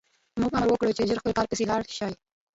موږ امر وکړ چې ژر خپل کار پسې لاړ شي